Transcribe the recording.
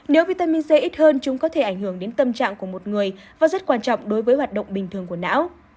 nếu vitamin c ít hơn chúng có thể ảnh hưởng đến tâm trạng của một người và rất quan trọng đối với hoạt động bình thường của não